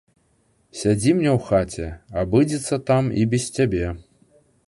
Сядзі мне ў хаце, абыдзецца там і без цябе.